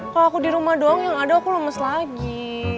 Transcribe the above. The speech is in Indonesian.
kalau aku di rumah doang yang ada aku lemes lagi